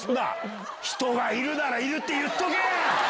人がいるならいるって、言っとけや！